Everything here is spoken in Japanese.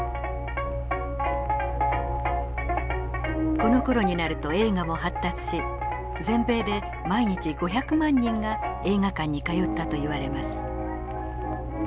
このころになると映画も発達し全米で毎日５００万人が映画館に通ったといわれます。